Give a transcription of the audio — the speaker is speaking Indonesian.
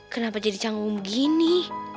kenapa jadi canggung begini